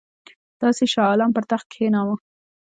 تاسي شاه عالم پر تخت کښېناوه.